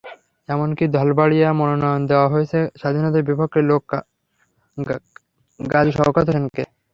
এমনকি ধলবাড়িয়ায় মনোনয়ন দেওয়া হয়েছে স্বাধীনতার বিপক্ষের লোক গাজী শওকত হোসেনকে।